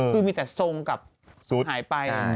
คือมีแต่ทรงกับสุตหายไป